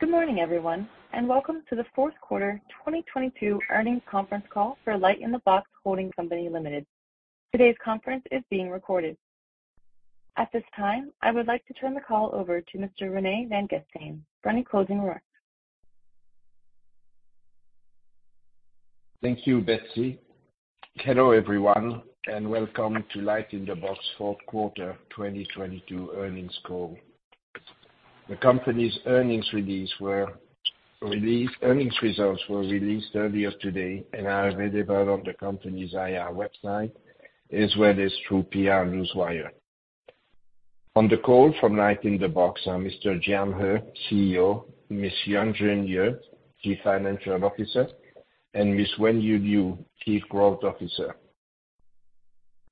Good morning everyone, and welcome to the fourth quarter 2022 earnings conference call for LightInTheBox Holding Co Ltd. Today's conference is being recorded. At this time, I would like to turn the call over to Mr. Rene Vanguestaine for any closing remarks. Thank you, Betsy. Hello everyone, welcome to LightInTheBox fourth quarter 2022 earnings call. The company's earnings results were released earlier today and are available on the company's IR website, as well as through PR Newswire. On the call from LightInTheBox are Mr. Jian He, CEO, Ms. Yuanjun Ye, Chief Financial Officer, and Ms. Wenyu Liu, Chief Growth Officer.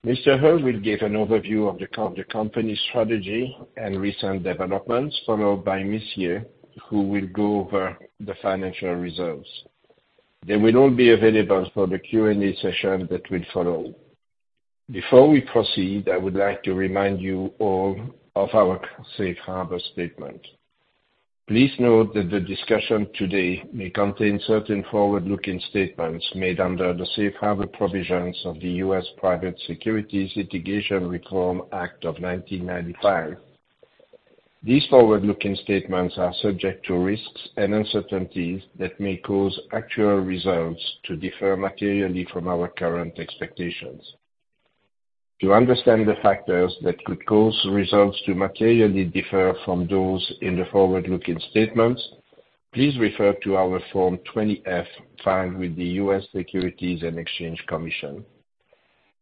Mr. He will give an overview of the company's strategy and recent developments, followed by Ms. Ye, who will go over the financial results. They will all be available for the Q&A session that will follow. Before we proceed, I would like to remind you all of our safe harbor statement. Please note that the discussion today may contain certain forward-looking statements made under the safe harbor provisions of the U.S. Private Securities Litigation Reform Act of 1995. These forward-looking statements are subject to risks and uncertainties that may cause actual results to differ materially from our current expectations. To understand the factors that could cause results to materially differ from those in the forward-looking statements, please refer to our Form 20-F filed with the U.S. Securities and Exchange Commission.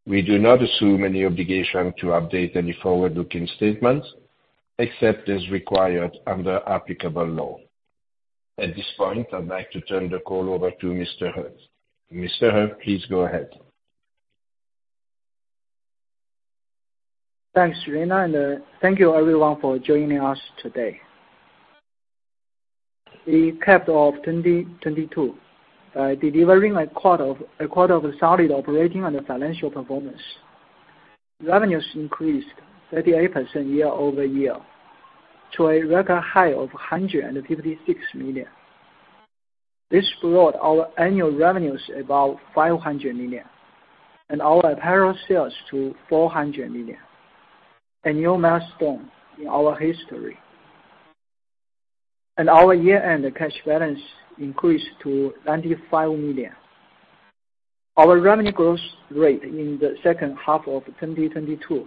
We do not assume any obligation to update any forward-looking statements, except as required under applicable law. At this point, I'd like to turn the call over to Mr. He. Mr. He, please go ahead. Thanks, Rene, thank you everyone for joining us today. We capped off 2022 by delivering a quarter of solid operating and financial performance. Revenues increased 38% year-over-year to a record high of $156 million. This brought our annual revenues above $500 million and our apparel sales to $400 million, a new milestone in our history. Our year-end cash balance increased to $95 million. Our revenue growth rate in the second half of 2022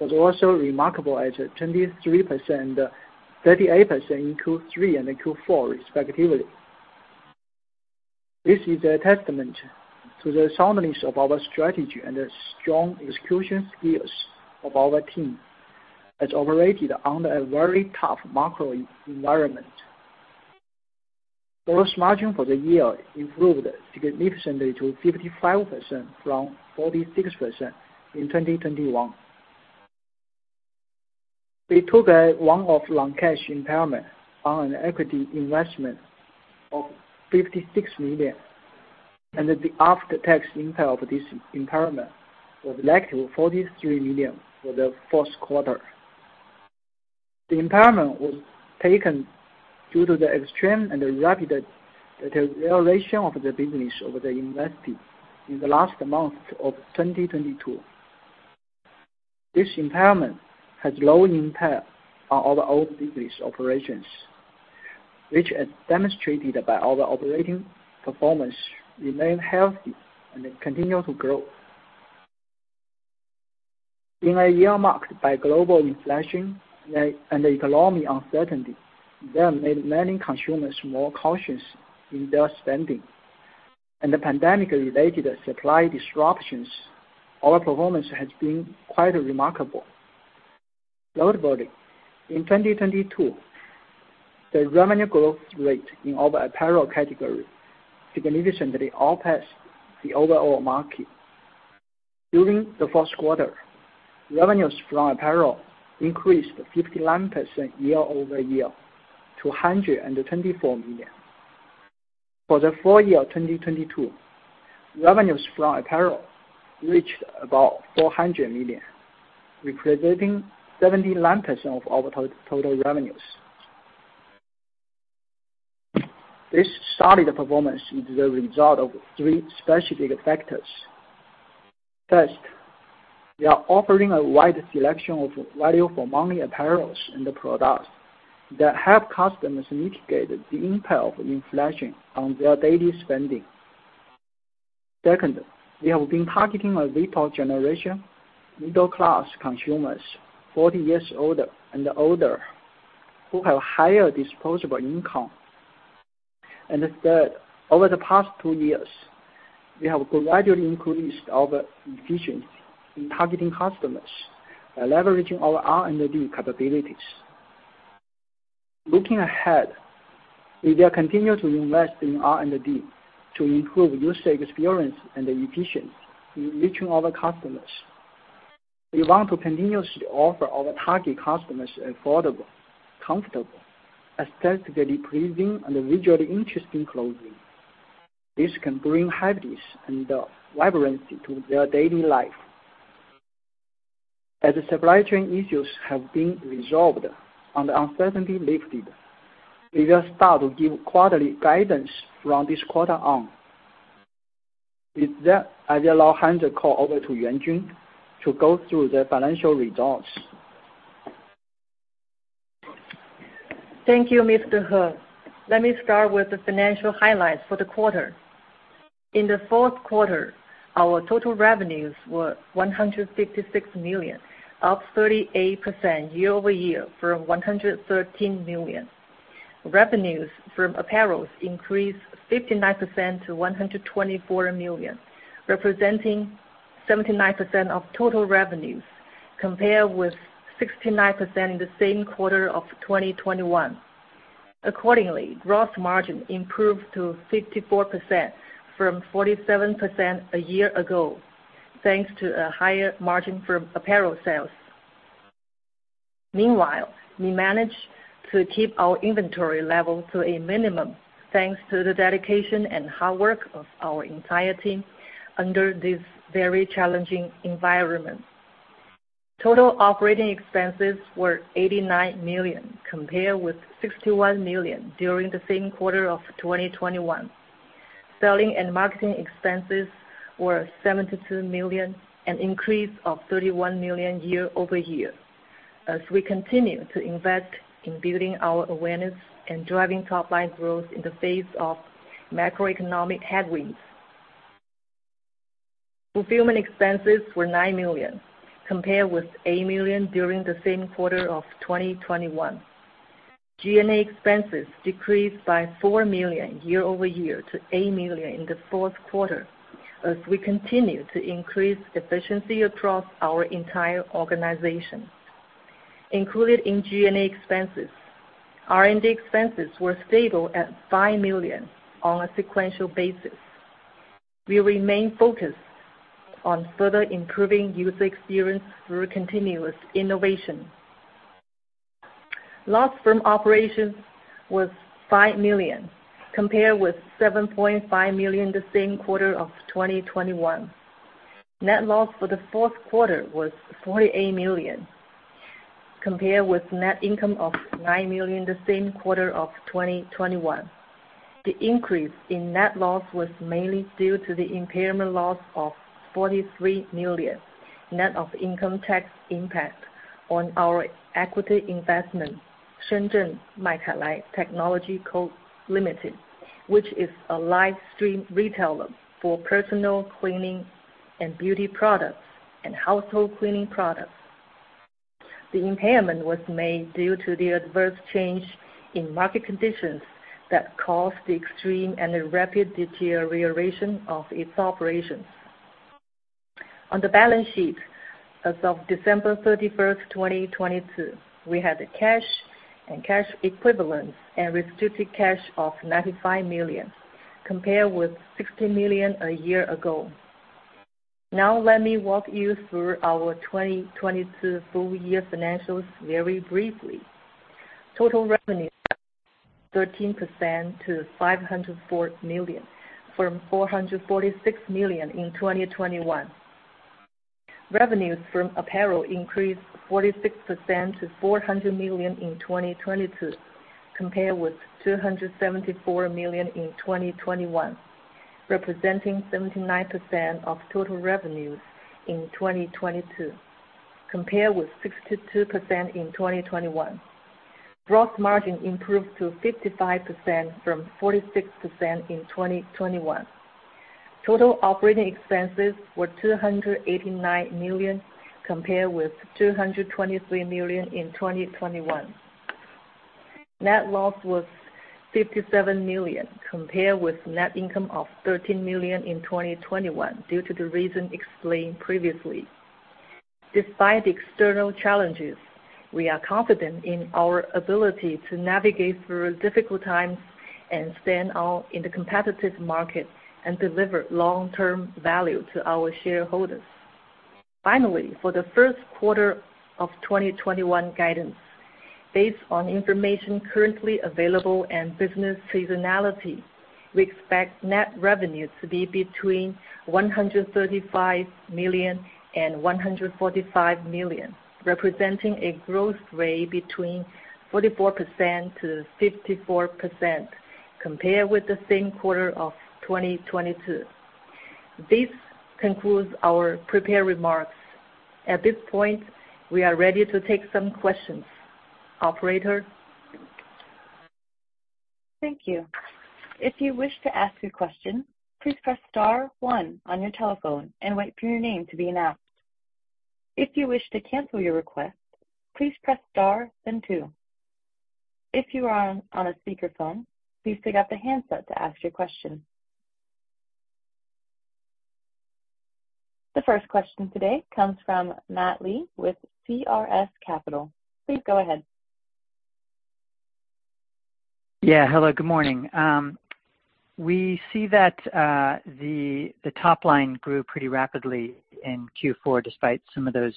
was also remarkable at 23%, 38% in Q3 and Q4 respectively. This is a testament to the soundness of our strategy and the strong execution skills of our team as operated under a very tough macro environment. Gross margin for the year improved significantly to 55% from 46% in 2021. We took a one-off non-cash impairment on an equity investment of $56 million. The after-tax impact of this impairment was likely $43 million for the fourth quarter. The impairment was taken due to the extreme and rapid deterioration of the business of the investee in the last month of 2022. This impairment has low impact on all the old business operations, which as demonstrated by all the operating performance remain healthy and continue to grow. In a year marked by global inflation and economy uncertainty that made many consumers more cautious in their spending, and the pandemic-related supply disruptions, our performance has been quite remarkable. Notably, in 2022, the revenue growth rate in our apparel category significantly outpaced the overall market. During the fourth quarter, revenues from apparel increased 59% year-over-year to $124 million. For the full year 2022, revenues from apparel reached about $400 million, representing 79% of our total revenues. This solid performance is the result of three specific factors. First, we are offering a wide selection of value for money apparels and products that help customers mitigate the impact of inflation on their daily spending. Second, we have been targeting a wealthy generation, middle-class consumers 40 years older and older, who have higher disposable income. Third, over the past two years, we have gradually increased our efficiency in targeting customers by leveraging our R&D capabilities. Looking ahead, we will continue to invest in R&D to improve user experience and efficiency in reaching our customers. We want to continuously offer our target customers affordable, comfortable, aesthetically pleasing and visually interesting clothing. This can bring happiness and vibrancy to their daily life. As the supply chain issues have been resolved and the uncertainty lifted, we will start to give quarterly guidance from this quarter on. With that, I will now hand the call over to Yuanjun to go through the financial results. Thank you, Mr. He. Let me start with the financial highlights for the quarter. In the fourth quarter, our total revenues were $156 million, up 38% year-over-year from $113 million. Revenues from apparels increased 59% to $124 million, representing 79% of total revenues compared with 69% in the same quarter of 2021. Gross margin improved to 54% from 47% a year ago, thanks to a higher margin from apparel sales. We managed to keep our inventory level to a minimum, thanks to the dedication and hard work of our entire team under this very challenging environment. Total operating expenses were $89 million, compared with $61 million during the same quarter of 2021. Selling and marketing expenses were $72 million, an increase of $31 million year-over-year, as we continue to invest in building our awareness and driving top line growth in the face of macroeconomic headwinds. Fulfillment expenses were $9 million, compared with $8 million during the same quarter of 2021. G&A expenses decreased by $4 million year-over-year to $8 million in the fourth quarter as we continue to increase efficiency across our entire organization. Included in G&A expenses, R&D expenses were stable at $5 million on a sequential basis. We remain focused on further improving user experience through continuous innovation. Loss from operations was $5 million, compared with $7.5 million the same quarter of 2021. Net loss for the fourth quarter was $48 million, compared with net income of $9 million the same quarter of 2021. The increase in net loss was mainly due to the impairment loss of $43 million net of income tax impact on our equity investment, Shenzhen Maikailai Technologies Co Ltd, which is a live stream retailer for personal cleaning and beauty products and household cleaning products. The impairment was made due to the adverse change in market conditions that caused the extreme and rapid deterioration of its operations. On the balance sheet, as of December 31st, 2022, we had cash and cash equivalents and restricted cash of $95 million, compared with $60 million a year ago. Let me walk you through our 2022 full year financials very briefly. Total revenue, 13% to $504 million, from $446 million in 2021. Revenues from apparel increased 46% to $400 million in 2022, compared with $274 million in 2021, representing 79% of total revenues in 2022, compared with 62% in 2021. Gross margin improved to 55% from 46% in 2021. Total operating expenses were $289 million, compared with $223 million in 2021. Net loss was $57 million, compared with net income of $13 million in 2021 due to the reason explained previously. Despite the external challenges, we are confident in our ability to navigate through difficult times and stand out in the competitive market and deliver long-term value to our shareholders. For the first quarter of 2021 guidance, based on information currently available and business seasonality, we expect net revenue to be between $135 million and $145 million, representing a growth rate between 44%-54% compared with the same quarter of 2022. This concludes our prepared remarks. At this point, we are ready to take some questions. Operator? Thank you. If you wish to ask a question, please press star one on your telephone and wait for your name to be announced. If you wish to cancel your request, please press star then two. If you are on a speakerphone, please pick up the handset to ask your question. The first question today comes from Matt Li with CRS Capital. Please go ahead. Yeah. Hello, good morning. We see that, the top line grew pretty rapidly in Q4 despite some of those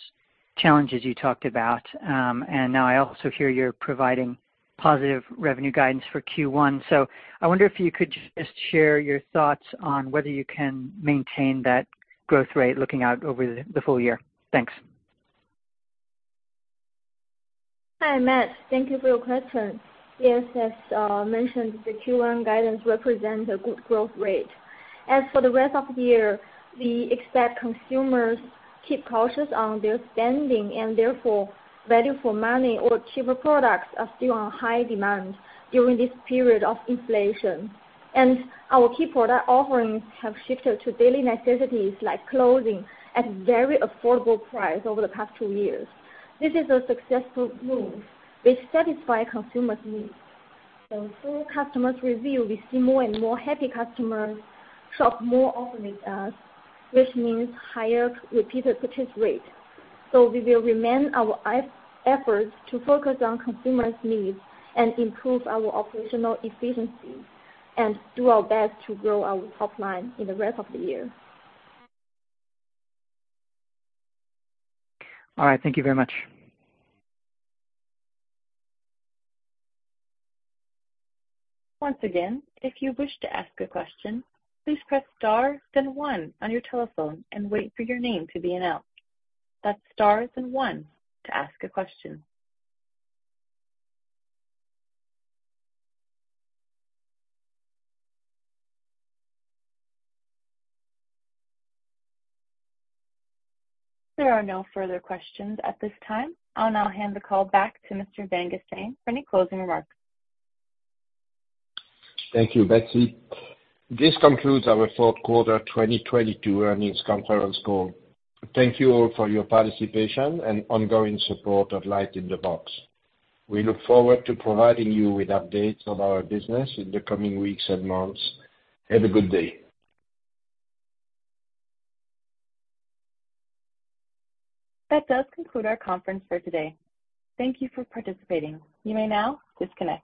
challenges you talked about. Now I also hear you're providing positive revenue guidance for Q1. I wonder if you could just share your thoughts on whether you can maintain that growth rate looking out over the full year. Thanks. Hi, Matt. Thank you for your question. Yes, as mentioned, the Q1 guidance represent a good growth rate. As for the rest of the year, we expect consumers keep cautious on their spending and therefore value for money or cheaper products are still on high demand during this period of inflation. Our key product offerings have shifted to daily necessities like clothing at very affordable price over the past two years. This is a successful move which satisfy consumers' needs. Through customers' review, we see more and more happy customers shop more often with us, which means higher repeated purchase rate. We will remain our efforts to focus on consumers' needs and improve our operational efficiency and do our best to grow our top line in the rest of the year. All right, thank you very much. Once again, if you wish to ask a question, please press star then one on your telephone and wait for your name to be announced. That's star then one to ask a question. There are no further questions at this time. I'll now hand the call back to Mr. Vanguestaine for any closing remarks. Thank you, Betsy. This concludes our fourth quarter 2022 earnings conference call. Thank you all for your participation and ongoing support of LightInTheBox. We look forward to providing you with updates of our business in the coming weeks and months. Have a good day. That does conclude our conference for today. Thank you for participating. You may now disconnect.